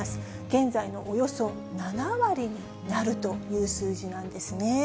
現在のおよそ７割になるという数字なんですね。